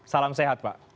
salam sehat pak